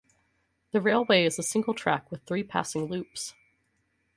The railway is single track with three passing loops.